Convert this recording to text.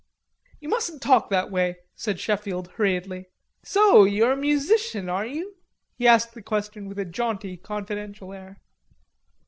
"You mustn't talk that way" said Sheffield hurriedly. "So you are a musician, are you?" He asked the question with a jaunty confidential air.